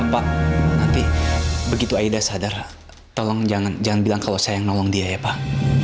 pak nanti begitu aida sadar tolong jangan bilang kalau saya yang nolong dia ya pak